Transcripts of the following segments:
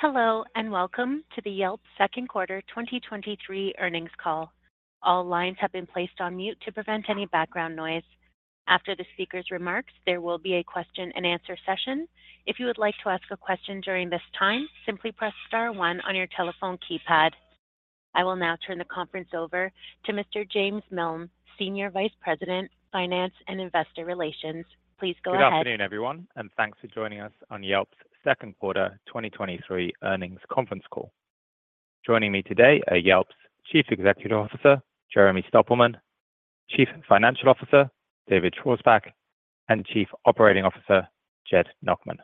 Hello, welcome to the Yelp second quarter 2023 earnings call. All lines have been placed on mute to prevent any background noise. After the speaker's remarks, there will be a question and answer session. If you would like to ask a question during this time, simply press star one on your telephone keypad. I will now turn the conference over to Mr. James Milne, Senior Vice President, Finance and Investor Relations. Please go ahead. Good afternoon, everyone, thanks for joining us on Yelp's second quarter 2023 earnings conference call. Joining me today are Yelp's Chief Executive Officer, Jeremy Stoppelman, Chief Financial Officer, David Schwarzbach, and Chief Operating Officer, Jed Nachman.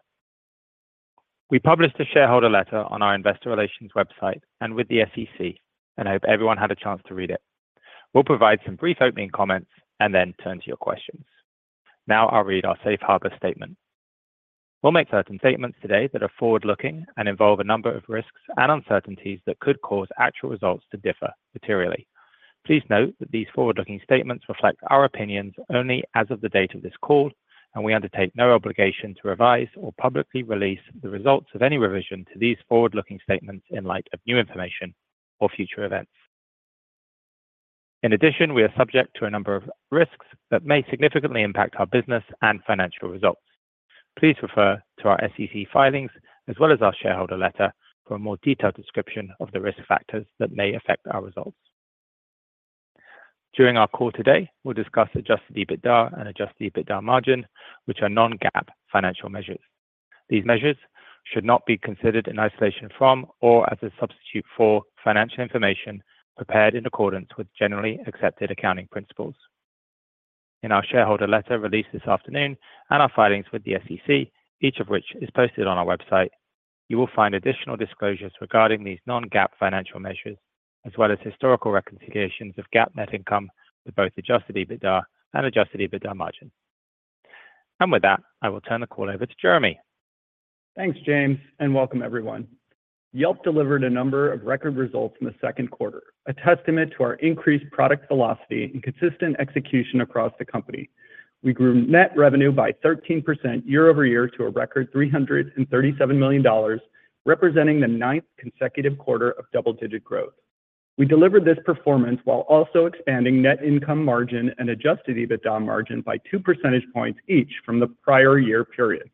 We published a shareholder letter on our investor relations website and with the SEC. I hope everyone had a chance to read it. We'll provide some brief opening comments and then turn to your questions. Now I'll read our safe harbor statement. We'll make certain statements today that are forward-looking and involve a number of risks and uncertainties that could cause actual results to differ materially. Please note that these forward-looking statements reflect our opinions only as of the date of this call, and we undertake no obligation to revise or publicly release the results of any revision to these forward-looking statements in light of new information or future events. In addition, we are subject to a number of risks that may significantly impact our business and financial results. Please refer to our SEC filings, as well as our shareholder letter, for a more detailed description of the risk factors that may affect our results. During our call today, we'll discuss adjusted EBITDA and adjusted EBITDA margin, which are non-GAAP financial measures. These measures should not be considered in isolation from or as a substitute for financial information prepared in accordance with generally accepted accounting principles. In our shareholder letter released this afternoon and our filings with the SEC, each of which is posted on our website, you will find additional disclosures regarding these non-GAAP financial measures, as well as historical reconciliations of GAAP net income to both adjusted EBITDA and adjusted EBITDA margin. With that, I will turn the call over to Jeremy. Thanks, James. Welcome everyone. Yelp delivered a number of record results in the second quarter, a testament to our increased product velocity and consistent execution across the company. We grew net revenue by 13% year-over-year to a record $337 million, representing the ninth consecutive quarter of double-digit growth. We delivered this performance while also expanding net income margin and adjusted EBITDA margin by 2 percentage points each from the prior year period.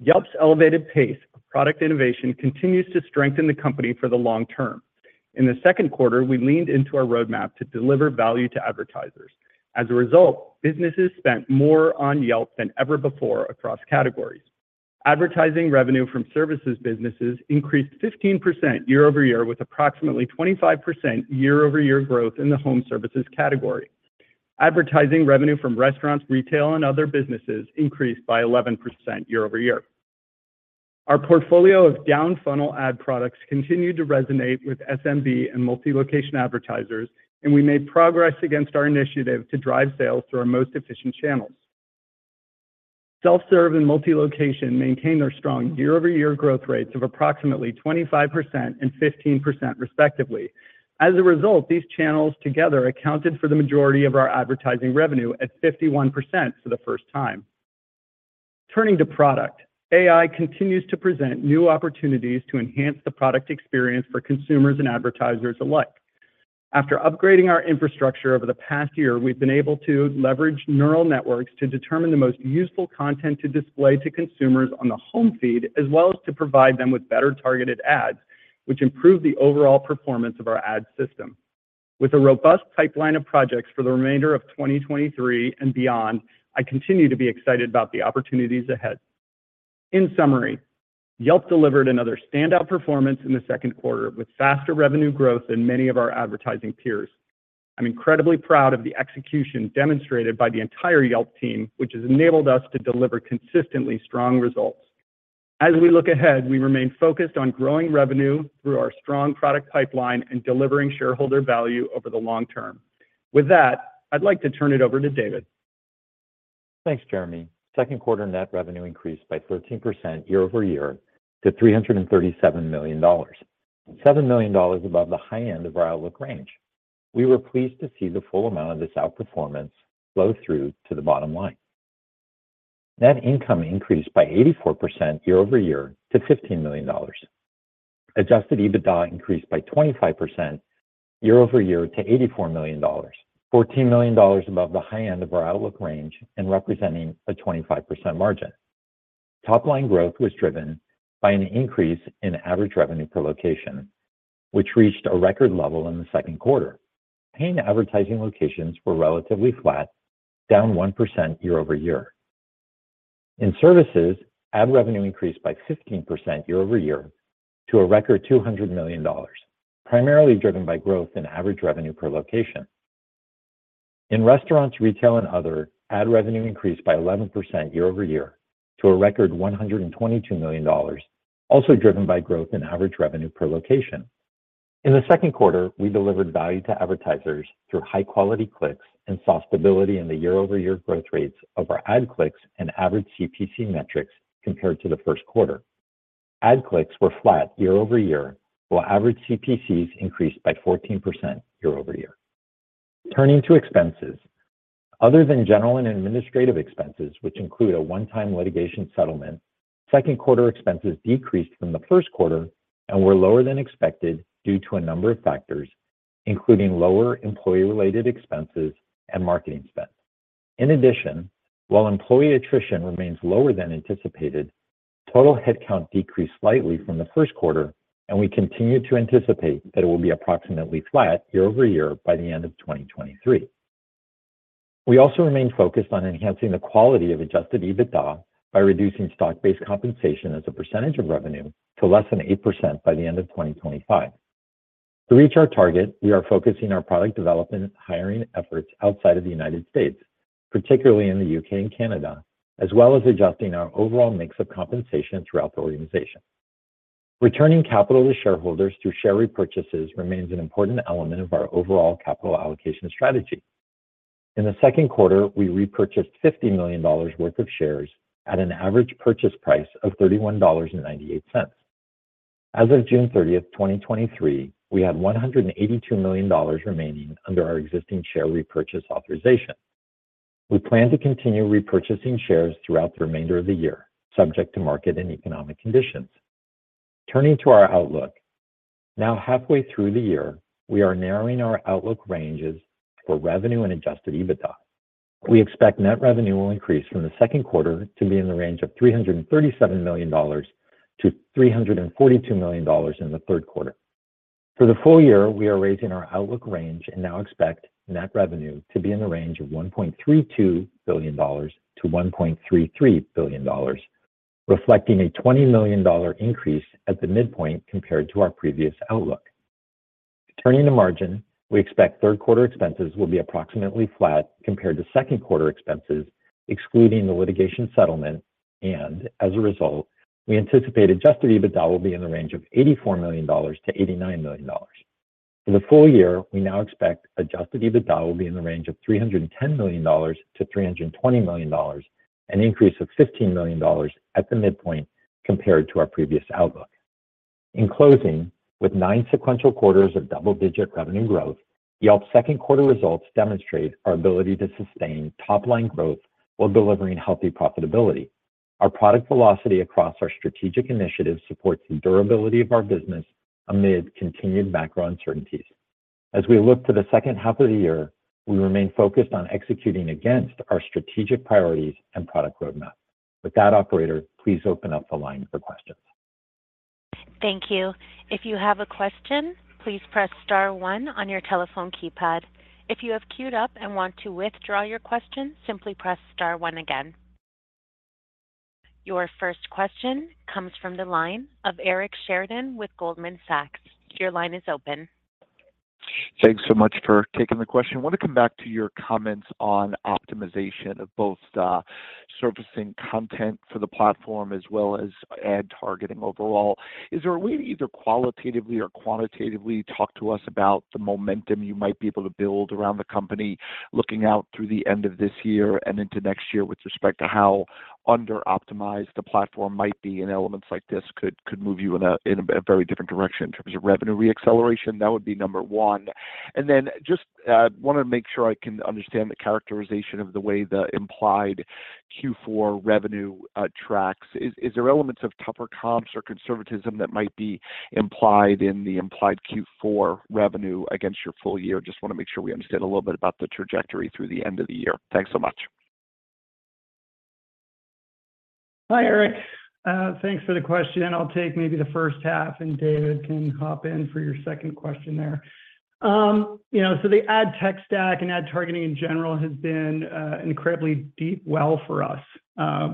Yelp's elevated pace of product innovation continues to strengthen the company for the long term. In the second quarter, we leaned into our roadmap to deliver value to advertisers. As a result, businesses spent more on Yelp than ever before across categories. Advertising revenue from services businesses increased 15% year-over-year, with approximately 25% year-over-year growth in the home services category. Advertising revenue from restaurants, retail, and other businesses increased by 11% year-over-year. Our portfolio of down-funnel ad products continued to resonate with SMB and Multi-location advertisers, and we made progress against our initiative to drive sales through our most efficient channels. Self-serve and Multi-location maintained their strong year-over-year growth rates of approximately 25% and 15%, respectively. As a result, these channels together accounted for the majority of our advertising revenue at 51% for the first time. Turning to product, AI continues to present new opportunities to enhance the product experience for consumers and advertisers alike. After upgrading our infrastructure over the past year, we've been able to leverage neural networks to determine the most useful content to display to consumers on the Home feed, as well as to provide them with better targeted ads, which improve the overall performance of our ad system. With a robust pipeline of projects for the remainder of 2023 and beyond, I continue to be excited about the opportunities ahead. In summary, Yelp delivered another standout performance in the second quarter, with faster revenue growth than many of our advertising peers. I'm incredibly proud of the execution demonstrated by the entire Yelp team, which has enabled us to deliver consistently strong results. As we look ahead, we remain focused on growing revenue through our strong product pipeline and delivering shareholder value over the long term. With that, I'd like to turn it over to David. Thanks, Jeremy. Second quarter net revenue increased by 13% year-over-year to $337 million, $7 million above the high end of our outlook range. We were pleased to see the full amount of this outperformance flow through to the bottom line. Net income increased by 84% year-over-year to $15 million. Adjusted EBITDA increased by 25% year-over-year to $84 million, $14 million above the high end of our outlook range and representing a 25% margin. Top-line growth was driven by an increase in average revenue per location, which reached a record level in the second quarter. Paying advertising locations were relatively flat, down 1% year-over-year. In services, ad revenue increased by 15% year-over-year to a record $200 million, primarily driven by growth in average revenue per location. In restaurants, retail, and other, ad revenue increased by 11% year-over-year to a record $122 million, also driven by growth in average revenue per location. In the second quarter, we delivered value to advertisers through high-quality clicks and saw stability in the year-over-year growth rates of our ad clicks and average CPC metrics compared to the first quarter. Ad clicks were flat year-over-year, while average CPCs increased by 14% year-over-year. Turning to expenses. Other than general and administrative expenses, which include a one-time litigation settlement, second quarter expenses decreased from the first quarter and were lower than expected due to a number of factors, including lower employee-related expenses and marketing spends. In addition, while employee attrition remains lower than anticipated, total headcount decreased slightly from the first quarter. We continue to anticipate that it will be approximately flat year-over-year by the end of 2023. We also remain focused on enhancing the quality of adjusted EBITDA by reducing stock-based compensation as a percentage of revenue to less than 8% by the end of 2025. To reach our target, we are focusing our product development hiring efforts outside of the United States, particularly in the U.K. and Canada, as well as adjusting our overall mix of compensation throughout the organization. Returning capital to shareholders through share repurchases remains an important element of our overall capital allocation strategy. In the second quarter, we repurchased $50 million worth of shares at an average purchase price of $31.98. As of June 30th, 2023, we had $182 million remaining under our existing share repurchase authorization. We plan to continue repurchasing shares throughout the remainder of the year, subject to market and economic conditions. Turning to our outlook, now, halfway through the year, we are narrowing our outlook ranges for revenue and adjusted EBITDA. We expect net revenue will increase from the second quarter to be in the range of $337 million-$342 million in the third quarter. For the full year, we are raising our outlook range and now expect net revenue to be in the range of $1.32 billion-$1.33 billion, reflecting a $20 million increase at the midpoint compared to our previous outlook. Turning to margin, we expect third quarter expenses will be approximately flat compared to second quarter expenses, excluding the litigation settlement, and as a result, we anticipate adjusted EBITDA will be in the range of $84 million-$89 million. For the full year, we now expect adjusted EBITDA will be in the range of $310 million-$320 million, an increase of $15 million at the midpoint compared to our previous outlook. In closing, with nine sequential quarters of double-digit revenue growth, Yelp's second quarter results demonstrate our ability to sustain top-line growth while delivering healthy profitability. Our product velocity across our strategic initiatives supports the durability of our business amid continued macro uncertainties. As we look to the second half of the year, we remain focused on executing against our strategic priorities and product roadmap. With that, operator, please open up the line for questions. Thank you. If you have a question, please press star one on your telephone keypad. If you have queued up and want to withdraw your question, simply press star one again. Your first question comes from the line of Eric Sheridan with Goldman Sachs. Your line is open. Thanks so much for taking the question. I want to come back to your comments on optimization of both the surfacing content for the platform as well as ad targeting overall. Is there a way to either qualitatively or quantitatively talk to us about the momentum you might be able to build around the company, looking out through the end of this year and into next year with respect to how underoptimized the platform might be, and elements like this could, could move you in a, in a very different direction in terms of revenue re-acceleration? That would be number one. Then just wanted to make sure I can understand the characterization of the way the implied Q4 revenue tracks. Is, is there elements of tougher comps or conservatism that might be implied in the implied Q4 revenue against your full year? Just want to make sure we understand a little bit about the trajectory through the end of the year. Thanks so much. Hi, Eric. Thanks for the question. I'll take maybe the first half, and David can hop in for your second question there. You know, the ad tech stack and ad targeting in general has been incredibly deep well for us.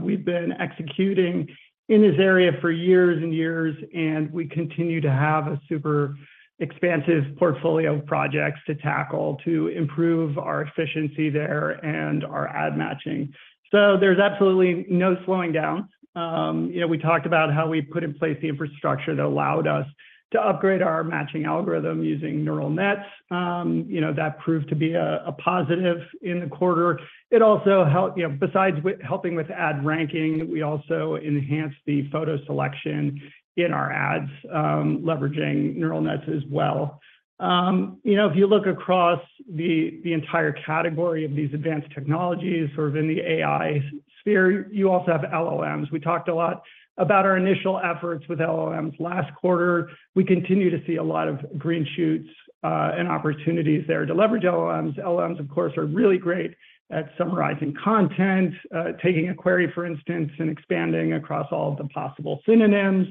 We've been executing in this area for years and years, and we continue to have a super expansive portfolio of projects to tackle to improve our efficiency there and our ad matching. There's absolutely no slowing down. You know, we talked about how we put in place the infrastructure that allowed us to upgrade our matching algorithm using neural nets. You know, that proved to be a positive in the quarter. It also helped. You know, besides with helping with ad ranking, we also enhanced the photo selection in our ads, leveraging neural nets as well. You know, if you look across the, the entire category of these advanced technologies, sort of in the AI sphere, you also have LLMs. We talked a lot about our initial efforts with LLMs last quarter. We continue to see a lot of green shoots and opportunities there to leverage LLMs. LLMs, of course, are really great at summarizing content, taking a query, for instance, and expanding across all the possible synonyms.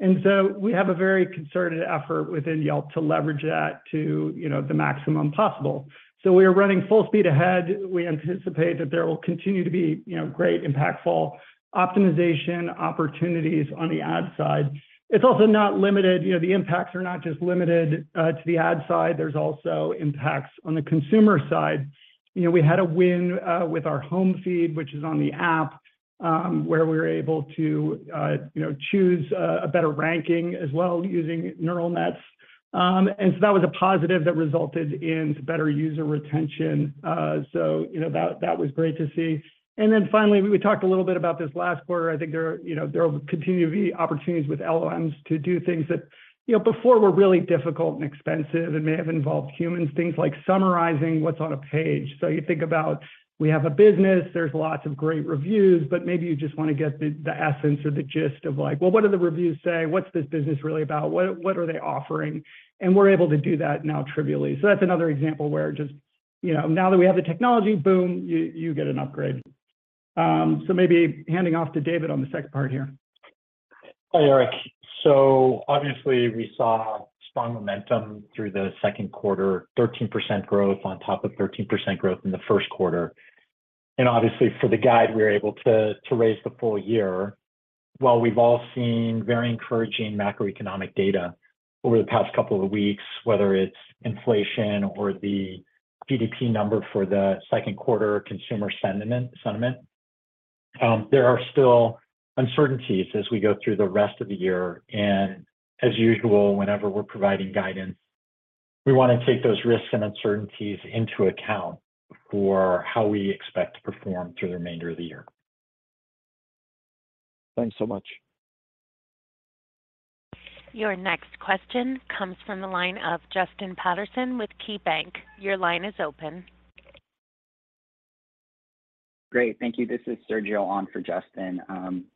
We have a very concerted effort within Yelp to leverage that to, you know, the maximum possible. We are running full speed ahead. We anticipate that there will continue to be, you know, great, impactful optimization opportunities on the ad side. It's also not limited, you know, the impacts are not just limited to the ad side, there's also impacts on the consumer side. You know, we had a win, with our Home feed, which is on the app, where we were able to, you know, choose, a better ranking as well using neural nets.... That was a positive that resulted in better user retention. You know, that, that was great to see. Finally, we talked a little bit about this last quarter. I think there are, you know, there will continue to be opportunities with LLMs to do things that, you know, before were really difficult and expensive and may have involved humans, things like summarizing what's on a page. You think about, we have a business, there's lots of great reviews, but maybe you just want to get the, the essence or the gist of like, well, what do the reviews say? What's this business really about? What, what are they offering? We're able to do that now trivially. That's another example where just, you know, now that we have the technology, boom, you, you get an upgrade. Maybe handing off to David on the second part here. Hi, Eric. Obviously, we saw strong momentum through the second quarter, 13% growth on top of 13% growth in the first quarter. Obviously, for the guide, we were able to raise the full year. While we've all seen very encouraging macroeconomic data over the past couple of weeks, whether it's inflation or the GDP number for the second quarter, consumer sentiment, sentiment, there are still uncertainties as we go through the rest of the year. As usual, whenever we're providing guidance, we want to take those risks and uncertainties into account for how we expect to perform through the remainder of the year. Thanks so much. Your next question comes from the line of Justin Patterson with Keybanc. Your line is open. Great. Thank you. This is Sergio on for Justin.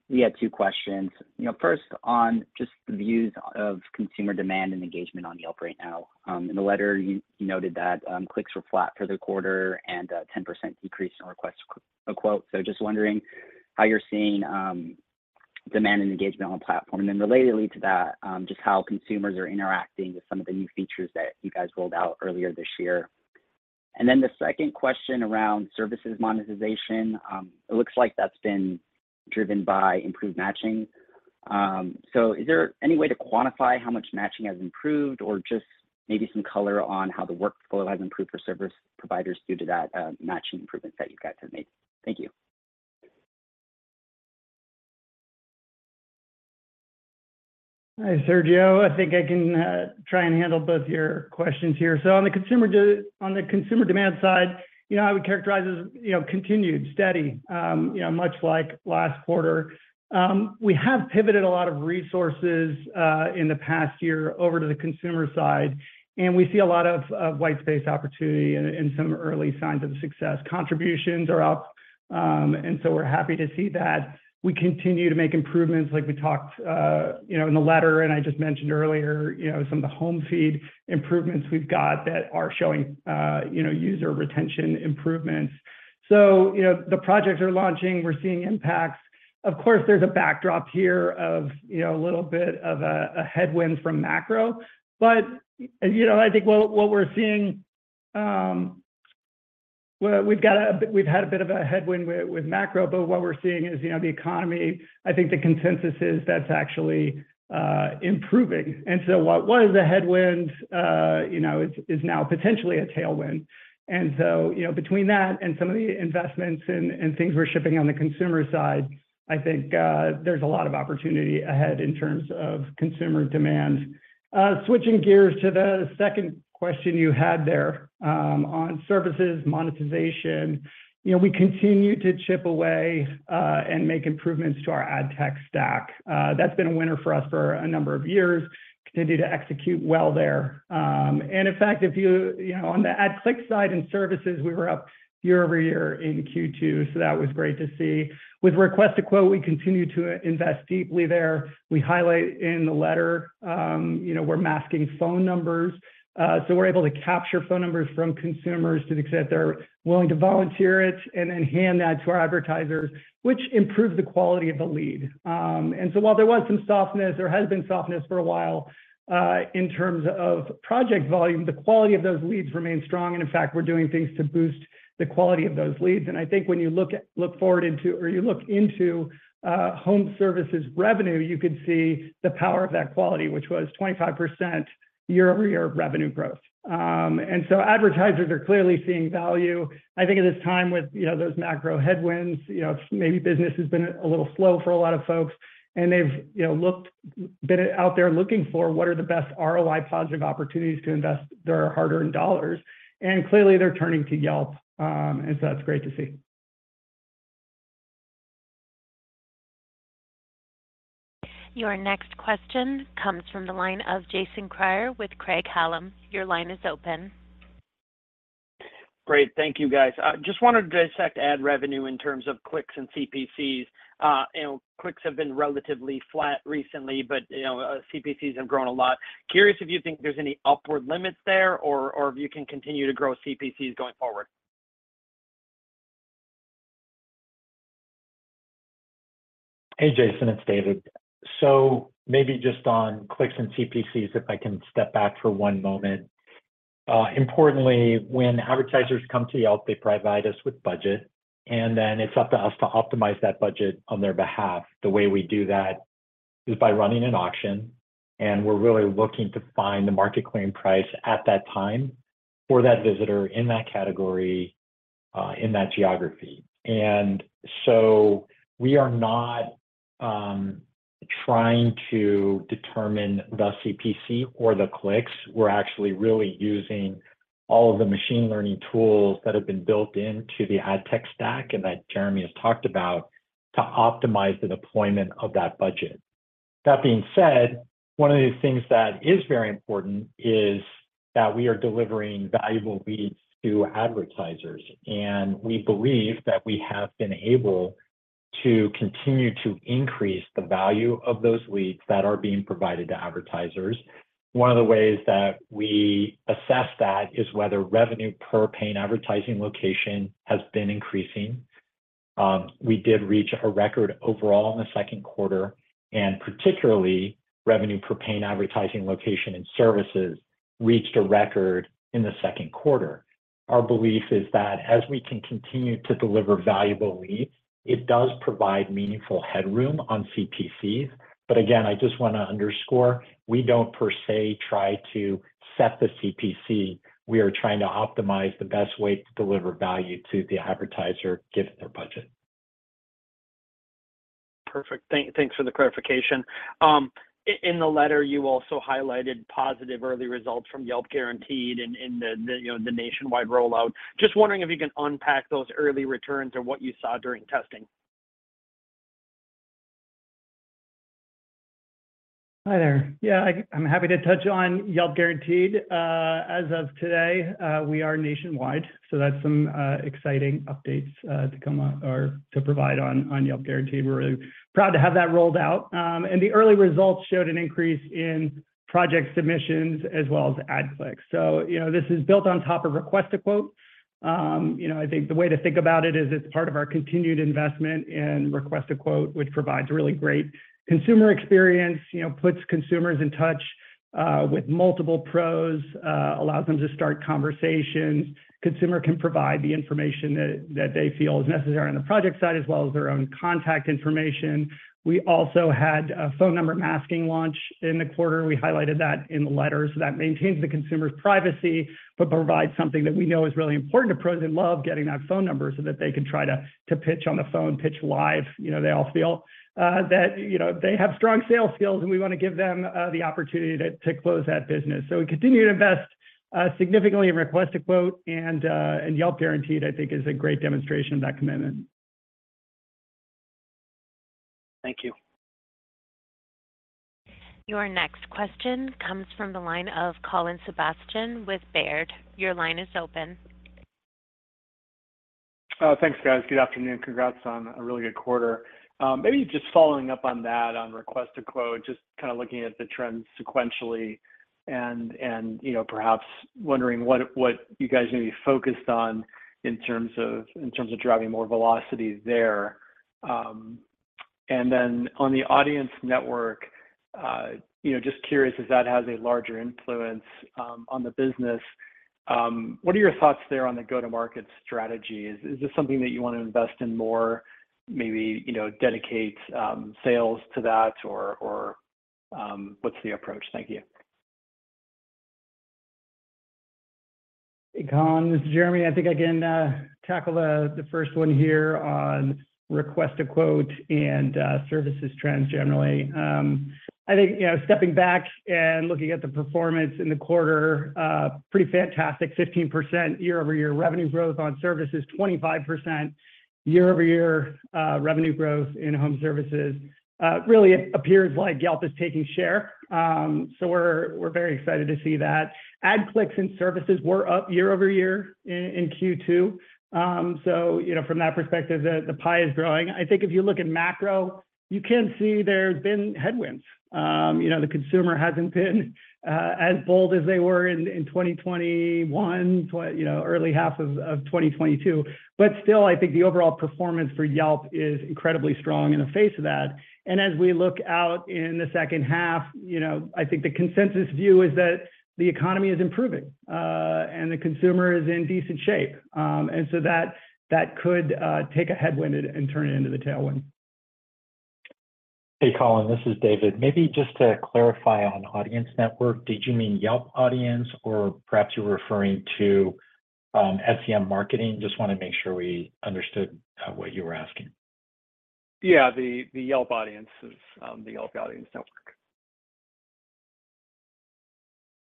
We had two questions. You know, first, on just the views of consumer demand and engagement on Yelp right now. In the letter, you noted that clicks were flat for the quarter and a 10% decrease in Request a Quote. Just wondering how you're seeing demand and engagement on the platform. Related to that, just how consumers are interacting with some of the new features that you guys rolled out earlier this year. The second question around services monetization. It looks like that's been driven by improved matching. Is there any way to quantify how much matching has improved, or just maybe some color on how the workflow has improved for service providers due to that matching improvements that you guys have made? Thank you. Hi, Sergio. I think I can try and handle both your questions here. On the consumer demand side, you know, I would characterize as, you know, continued, steady, you know, much like last quarter. We have pivoted a lot of resources in the past year over to the consumer side, and we see a lot of white space opportunity and some early signs of success. Contributions are up, and so we're happy to see that. We continue to make improvements like we talked, you know, in the letter, and I just mentioned earlier, you know, some of the Home feed improvements we've got that are showing, you know, user retention improvements. You know, the projects are launching, we're seeing impacts. Of course, there's a backdrop here of, you know, a little bit of a, a headwind from macro. You know, I think what, what we're seeing. Well, we've had a bit of a headwind with, with macro, but what we're seeing is, you know, the economy, I think the consensus is that's actually improving. What was a headwind, you know, is, is now potentially a tailwind. You know, between that and some of the investments and, and things we're shipping on the consumer side, I think there's a lot of opportunity ahead in terms of consumer demand. Switching gears to the second question you had there on services, monetization. You know, we continue to chip away and make improvements to our ad tech stack. That's been a winner for us for a number of years, continue to execute well there. In fact, if you, you know, on the ad click side and services, we were up year-over-year in Q2, so that was great to see. With Request a Quote, we continue to invest deeply there. We highlight in the letter, you know, we're masking phone numbers, so we're able to capture phone numbers from consumers to the extent they're willing to volunteer it and then hand that to our advertisers, which improves the quality of the lead. While there was some softness, there has been softness for a while, in terms of project volume, the quality of those leads remains strong, and in fact, we're doing things to boost the quality of those leads. I think when you look at-- look forward into or you look into home services revenue, you can see the power of that quality, which was 25% year-over-year revenue growth. Advertisers are clearly seeing value. I think at this time with, you know, those macro headwinds, you know, maybe business has been a little slow for a lot of folks, and they've, you know, been out there looking for what are the best ROI positive opportunities to invest their hard-earned dollars, and clearly, they're turning to Yelp. That's great to see. Your next question comes from the line of Jason Kreyer with Craig-Hallum. Your line is open. Great. Thank you, guys. I just wanted to dissect ad revenue in terms of clicks and CPCs. You know, clicks have been relatively flat recently, but, you know, CPCs have grown a lot. Curious if you think there's any upward limits there or, or if you can continue to grow CPCs going forward. Hey, Jason, it's David. Maybe just on clicks and CPCs, if I can step back for 1 moment. Importantly, when advertisers come to Yelp, they provide us with budget, and then it's up to us to optimize that budget on their behalf. The way we do that is by running an auction, and we're really looking to find the market clearing price at that time for that visitor in that category.... in that geography. So we are not trying to determine the CPC or the clicks. We're actually really using all of the machine learning tools that have been built into the ad tech stack, and that Jeremy has talked about, to optimize the deployment of that budget. That being said, one of the things that is very important is that we are delivering valuable leads to advertisers, and we believe that we have been able to continue to increase the value of those leads that are being provided to advertisers. One of the ways that we assess that is whether revenue per paying advertising location has been increasing. We did reach a record overall in the second quarter, and particularly, revenue per paying advertising location and services reached a record in the second quarter. Our belief is that as we can continue to deliver valuable leads, it does provide meaningful headroom on CPCs. Again, I just wanna underscore, we don't per se try to set the CPC. We are trying to optimize the best way to deliver value to the advertiser, given their budget. Perfect. Thanks for the clarification. In the letter, you also highlighted positive early results from Yelp Guaranteed in the, you know, the nationwide rollout. Just wondering if you can unpack those early returns or what you saw during testing? Hi there. Yeah, I, I'm happy to touch on Yelp Guaranteed. As of today, we are nationwide, so that's some exciting updates to come up or to provide on, on Yelp Guaranteed. We're really proud to have that rolled out. The early results showed an increase in project submissions as well as ad clicks. You know, this is built on top of Request a Quote. You know, I think the way to think about it is it's part of our continued investment in Request a Quote, which provides really great consumer experience, you know, puts consumers in touch with multiple pros, allows them to start conversations. Consumer can provide the information that, that they feel is necessary on the project side, as well as their own contact information. We also had a phone number masking launch in the quarter. We highlighted that in the letter. That maintains the consumer's privacy, but provides something that we know is really important to pros. They love getting that phone number so that they can try to pitch on the phone, pitch live. You know, they all feel that, you know, they have strong sales skills, and we wanna give them the opportunity to close that business. We continue to invest significantly in Request a Quote, and, and Yelp Guaranteed, I think, is a great demonstration of that commitment. Thank you. Your next question comes from the line of Colin Sebastian with Baird. Your line is open. Thanks, guys. Good afternoon. Congrats on a really good quarter. Maybe just following up on that, on Request a Quote, just kinda looking at the trends sequentially and, you know, perhaps wondering what you guys may be focused on in terms of driving more velocity there. On the Audience Network, you know, just curious if that has a larger influence on the business. What are your thoughts there on the go-to-market strategy? Is this something that you wanna invest in more, maybe, you know, dedicate sales to that, or what's the approach? Thank you. Hey, Colin, this is Jeremy. I think I can tackle the first one here on Request a Quote and services trends generally. I think, you know, stepping back and looking at the performance in the quarter, pretty fantastic, 15% year-over-year revenue growth on services, 25% year-over-year revenue growth in home services. Really, it appears like Yelp is taking share. We're very excited to see that. Ad clicks and services were up year-over-year in Q2. You know, from that perspective, the pie is growing. I think if you look at macro, you can see there's been headwinds. You know, the consumer hasn't been as bold as they were in 2021, you know, early half of 2022. Still, I think the overall performance for Yelp is incredibly strong in the face of that. As we look out in the second half, you know, I think the consensus view is that the economy is improving, and the consumer is in decent shape. That, that could, take a headwind and turn it into the tailwind. Hey, Colin, this is David. Maybe just to clarify on Audience Network, did you mean Yelp Audience, or perhaps you were referring to, SEM marketing? Just wanna make sure we understood what you were asking. Yeah, the, the Yelp Audiences, the Yelp Audience Network.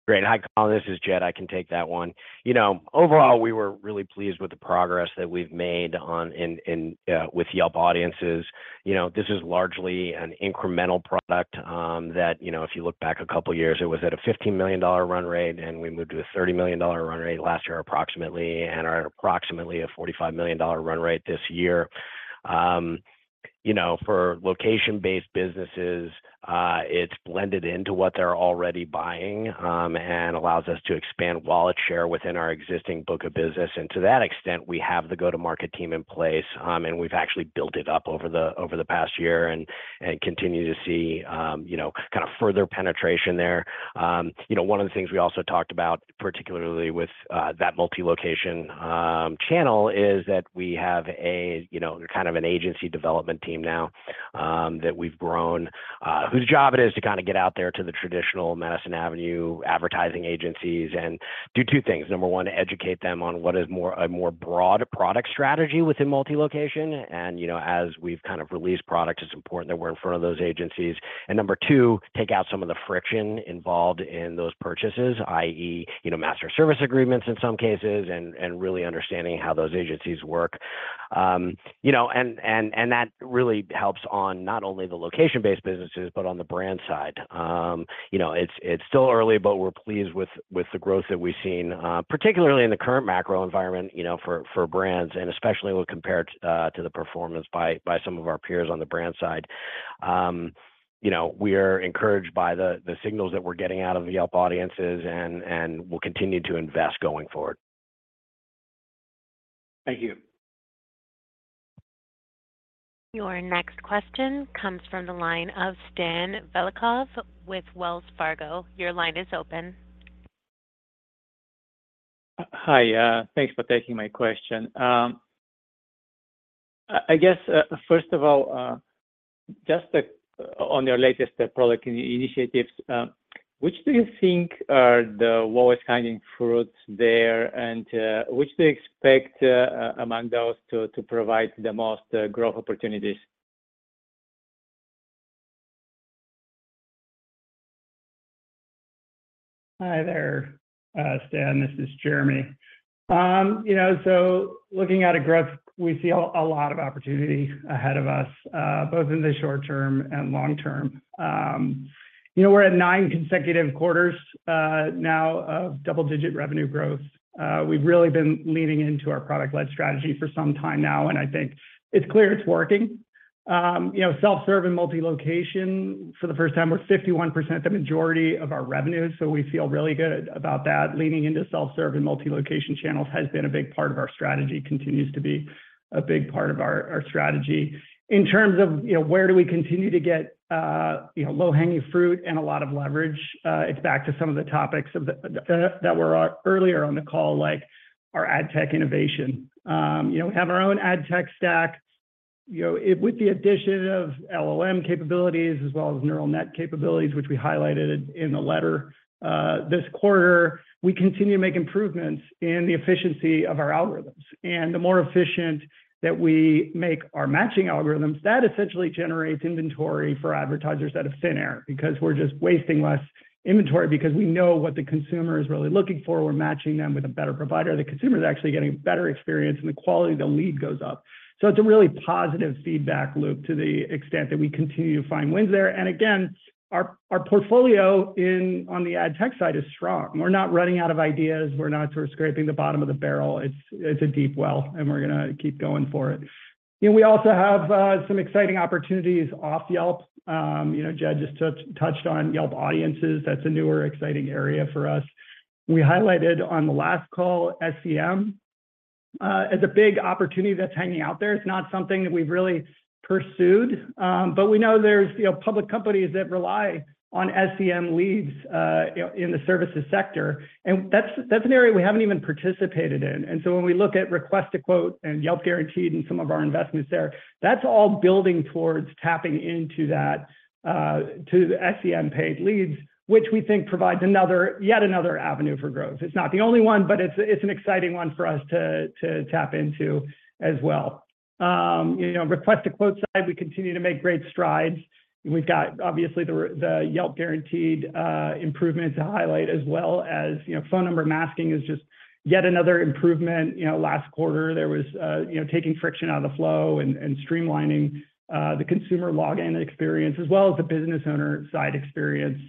Great. Hi, Colin, this is Jed. I can take that one. You know, overall, we were really pleased with the progress that we've made on... in, in, with Yelp Audiences. You know, this is largely an incremental product, that, you know, if you look back a couple of years, it was at a $15 million run rate, and we moved to a $30 million run rate last year, approximately, and are at approximately a $45 million run rate this year. You know, for location-based businesses, it's blended into what they're already buying, and allows us to expand wallet share within our existing book of business. And to that extent, we have the go-to-market team in place, and we've actually built it up over the, over the past year and, and continue to see, you know, kind of further penetration there. You know, one of the things we also talked about, particularly with that multi-location channel, is that we have a, you know, kind of an agency development team now that we've grown, whose job it is to kinda get out there to the traditional Madison Avenue advertising agencies and do two things: number one, educate them on what is more, a more broad product strategy within multi-location. You know, as we've kind of released products, it's important that we're in front of those agencies. Number two, take out some of the friction involved in those purchases, i.e., you know, master service agreements in some cases, and really understanding how those agencies work. You know, and that really helps on not only the location-based businesses, but on the brand side. You know, it's, it's still early, but we're pleased with, with the growth that we've seen, particularly in the current macro environment, you know, for, for brands, and especially when compared to the performance by, by some of our peers on the brand side. You know, we are encouraged by the, the signals that we're getting out of the Yelp Audiences, and, and we'll continue to invest going forward. Thank you. Your next question comes from the line of Stanislav Velikov with Wells Fargo. Your line is open. Hi, thanks for taking my question. I, I guess, first of all, just, on your latest product initiatives, which do you think are the lowest hanging fruits there? Which do you expect, among those to provide the most, growth opportunities? Hi there, Stan, this is Jeremy. You know, looking at a growth, we see a lot of opportunity ahead of us, both in the short term and long term. You know, we're at nine consecutive quarters now of double-digit revenue growth. We've really been leaning into our product-led strategy for some time now, and I think it's clear it's working. You know, Self-serve and Multi-location, for the first time, we're 51%, the majority of our revenue, so we feel really good about that. Leaning into Self-serve and Multi-location channels has been a big part of our strategy, continues to be a big part of our strategy. In terms of, you know, where do we continue to get, you know, low-hanging fruit and a lot of leverage, it's back to some of the topics that, that were earlier on the call, like our ad tech innovation. You know, we have our own ad tech stack. You know, with the addition of LLM capabilities as well as neural net capabilities, which we highlighted in the letter, this quarter, we continue to make improvements in the efficiency of our algorithms. The more efficient that we make our matching algorithms, that essentially generates inventory for advertisers out of thin air, because we're just wasting less inventory because we know what the consumer is really looking for. We're matching them with a better provider. The consumer is actually getting a better experience, and the quality of the lead goes up. It's a really positive feedback loop to the extent that we continue to find wins there. Again, our, our portfolio in- on the ad tech side is strong. We're not running out of ideas. We're not sort of scraping the bottom of the barrel. It's, it's a deep well, and we're gonna keep going for it. We also have some exciting opportunities off Yelp. You know, Jed just touched, touched on Yelp Audiences. That's a newer, exciting area for us. We highlighted on the last call, SEM, as a big opportunity that's hanging out there. It's not something that we've really pursued, but we know there's, you know, public companies that rely on SEM leads, you know, in the services sector, and that's, that's an area we haven't even participated in. When we look at Request a Quote and Yelp Guaranteed and some of our investments there, that's all building towards tapping into that to the SEM paid leads, which we think provides another- yet another avenue for growth. It's not the only one, but it's an exciting one for us to tap into as well. You know, Request a Quote side, we continue to make great strides. We've got, obviously, the Yelp Guaranteed improvement to highlight, as well as, you know, phone number masking is just yet another improvement. You know, last quarter, there was, you know, taking friction out of the flow and streamlining the consumer login experience, as well as the business owner side experience.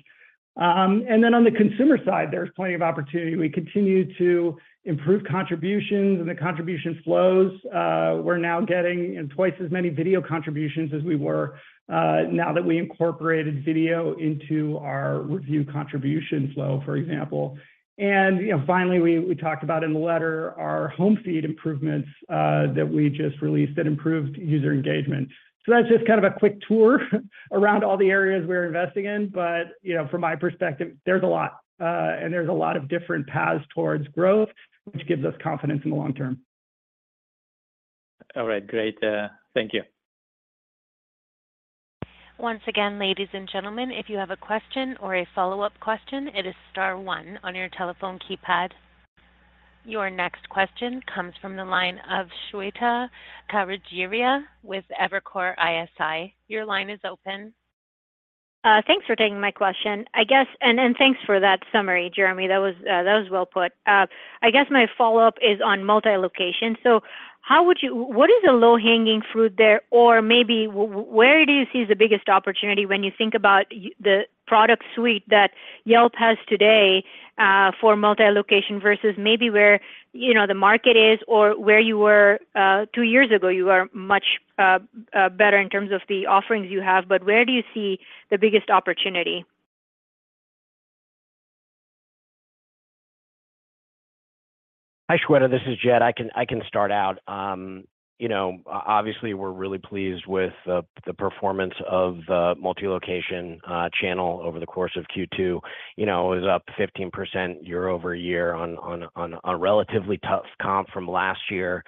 Then on the consumer side, there's plenty of opportunity. We continue to improve contributions and the contribution flows. We're now getting in twice as many video contributions as we were, now that we incorporated video into our review contribution flow, for example. You know, finally, we, we talked about in the letter our Home feed improvements that we just released that improved user engagement. That's just kind of a quick tour around all the areas we're investing in, but, you know, from my perspective, there's a lot, and there's a lot of different paths towards growth, which gives us confidence in the long term. All right. Great, thank you. Once again, ladies and gentlemen, if you have a question or a follow-up question, it is star one on your telephone keypad. Your next question comes from the line of Shweta Khajuria with Evercore ISI. Your line is open. Thanks for taking my question. I guess. Thanks for that summary, Jeremy. That was, that was well put. I guess my follow-up is on Multi-location. How would you- what is the low-hanging fruit there? Maybe where do you see the biggest opportunity when you think about the product suite that Yelp has today, for Multi-location versus maybe where, you know, the market is or where you were, two years ago? You are much, better in terms of the offerings you have, but where do you see the biggest opportunity? Hi, Shweta, this is Jed. I can, I can start out. You know, obviously, we're really pleased with the, the performance of the Multi-location, channel over the course of Q2. You know, it was up 15% year-over-year on, on, on a relatively tough comp from last year.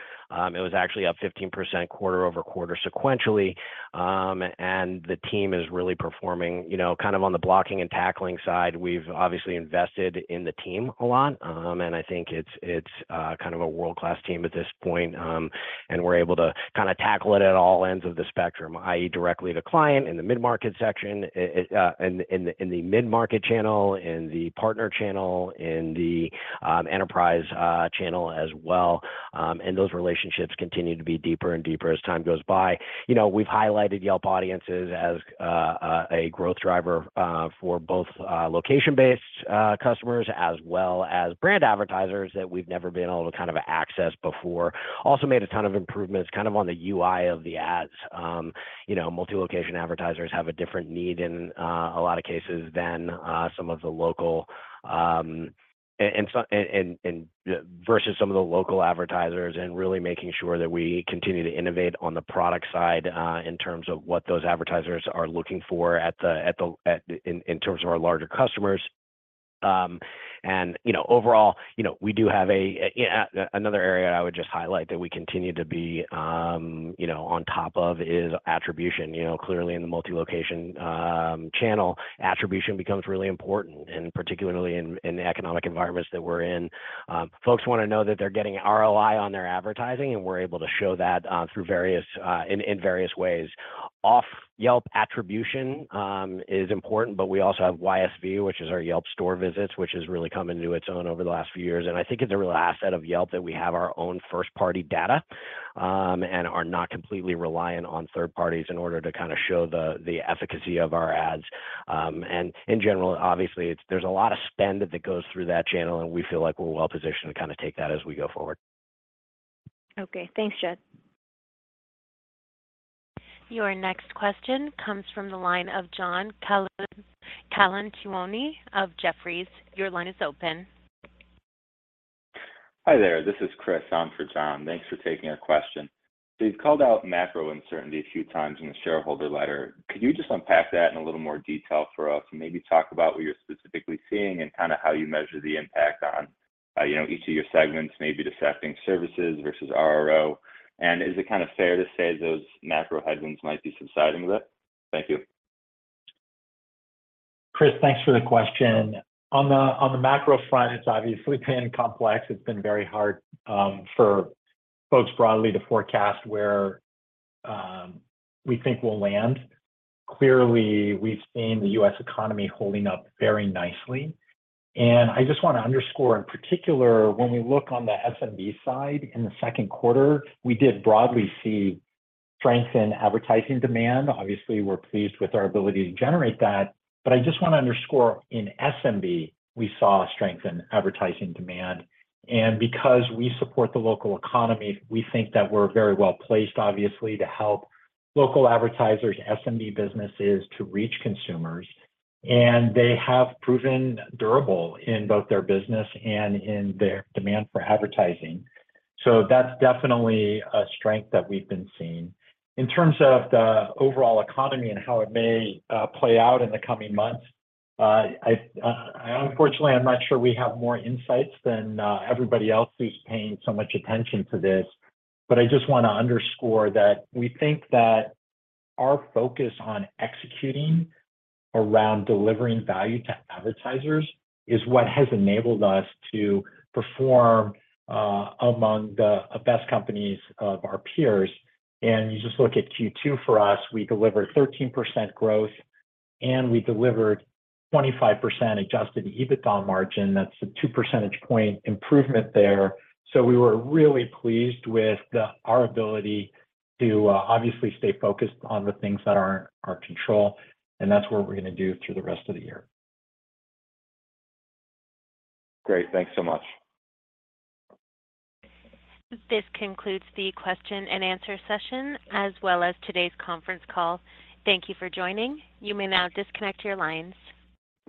It was actually up 15% quarter-over-quarter sequentially. The team is really performing, you know, kind of on the blocking and tackling side. We've obviously invested in the team a lot, and I think it's, it's, kind of a world-class team at this point. We're able to kinda tackle it at all ends of the spectrum, i.e., directly to client, in the mid-market section, in the, in the, in the mid-market channel, in the partner channel, in the enterprise channel as well. Those relationships continue to be deeper and deeper as time goes by. You know, we've highlighted Yelp Audiences as a growth driver for both location-based customers, as well as brand advertisers that we've never been able to kind of access before. Also made a ton of improvements, kind of on the UI of the ads. You know, Multi-location advertisers have a different need in a lot of cases than some of the local versus some of the local advertisers, and really making sure that we continue to innovate on the product side in terms of what those advertisers are looking for in terms of our larger customers. You know, overall, you know, we do have another area I would just highlight that we continue to be, you know, on top of, is attribution. You know, clearly in the Multi-location channel, attribution becomes really important, and particularly in, in the economic environments that we're in. Folks wanna know that they're getting ROI on their advertising, and we're able to show that through various in various ways. Off Yelp attribution is important, but we also have YSV, which is our Yelp Store Visits, which has really come into its own over the last few years. I think it's a real asset of Yelp that we have our own first-party data and are not completely reliant on third parties in order to kinda show the efficacy of our ads. In general, obviously, there's a lot of spend that goes through that channel, and we feel like we're well positioned to kinda take that as we go forward. Okay, thanks, Jed. Your next question comes from the line of John Colantuoni of Jefferies. Your line is open. Hi, there. This is Chris on for John. Thanks for taking our question. You've called out macro uncertainty a few times in the shareholder letter. Could you just unpack that in a little more detail for us and maybe talk about what you're specifically seeing and kinda how you measure the impact on, you know, each of your segments, maybe the staffing services versus RRO? Is it kinda fair to say those macro headwinds might be subsiding a bit? Thank you. Chris, thanks for the question. On the, on the macro front, it's obviously been complex. It's been very hard for folks broadly to forecast where we think we'll land. Clearly, we've seen the U.S. economy holding up very nicely. I just want to underscore, in particular, when we look on the SMB side in the second quarter, we did broadly see strength in advertising demand. Obviously, we're pleased with our ability to generate that. I just want to underscore, in SMB, we saw a strength in advertising demand. Because we support the local economy, we think that we're very well-placed, obviously, to help local advertisers, SMB businesses, to reach consumers. They have proven durable in both their business and in their demand for advertising. That's definitely a strength that we've been seeing. In terms of the overall economy and how it may play out in the coming months, I unfortunately, I'm not sure we have more insights than everybody else who's paying so much attention to this. I just wanna underscore that we think that our focus on executing around delivering value to advertisers is what has enabled us to perform among the best companies of our peers. You just look at Q2 for us, we delivered 13% growth, and we delivered 25% adjusted EBITDA margin. That's a 2 percentage point improvement there. We were really pleased with our ability to obviously, stay focused on the things that are in our control, and that's what we're gonna do through the rest of the year. Great. Thanks so much. This concludes the question and answer session, as well as today's conference call. Thank you for joining. You may now disconnect your lines.